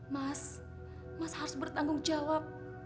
mas mas harus bertanggung jawab